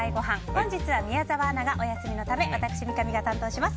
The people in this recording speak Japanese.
本日は宮澤アナがお休みのため私、三上が担当します。